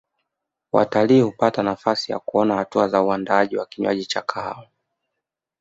Watalii hupata nafasi ya kuona hatua za uandaaji wa kinywaji cha kahawa